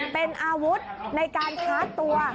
เป็นอาวุธในการคลาสตัว